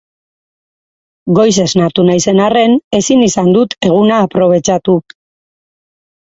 Goiz esnatu naizen arren, ezin izan dut eguna aprobetxatu.